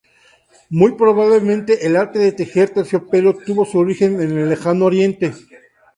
Muy probablemente, el arte de tejer terciopelo tuvo su origen en el Lejano Oriente.